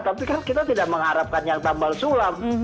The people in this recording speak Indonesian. tapi kan kita tidak mengharapkan yang tambal sulam